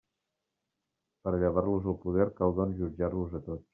Per a llevar-los el poder, cal, doncs, jutjar-los a tots.